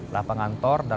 lapangan latih di surabaya